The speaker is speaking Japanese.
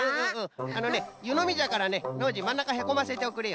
あのねゆのみじゃからねノージーまんなかへこませておくれよ。